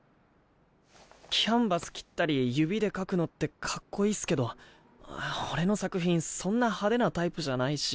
キャンバス切ったり指で描くのってかっこいいっすけど俺の作品そんな派手なタイプじゃないし。